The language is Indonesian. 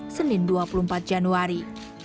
senin dua puluh empat januari